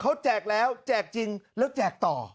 เขาแจกแล้วแจกจริงแล้วแจกต่อ